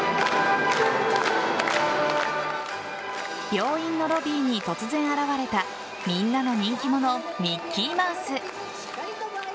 病院のロビーに突然現れたみんなの人気者ミッキーマウス。